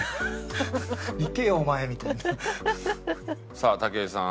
さあ武井さん